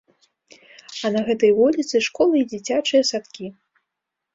А на гэтай вуліцы школы і дзіцячыя садкі.